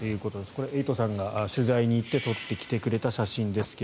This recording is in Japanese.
これ、エイトさんが取材に行って撮ってきてくれた写真ですが